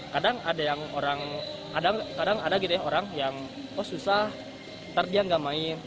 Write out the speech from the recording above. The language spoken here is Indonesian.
kadang ada orang yang susah nanti dia nggak main